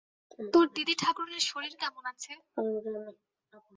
তোর দিদিঠাকরুনের শরীর কেমন আছে?